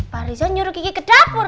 pak rizal nyuruh kiki ke dapur